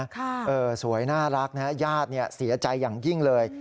เออสวยน่ารักนะฮะญาติเสียใจอย่างยิ่งเลย